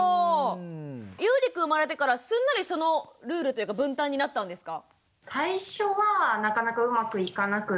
ゆうりくん生まれてからすんなりそのルールというか分担になったんですか？